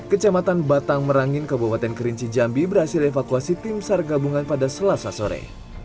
kecamatan batang merangin kabupaten kerinci jambi berhasil evakuasi tim sar gabungan pada selasa sore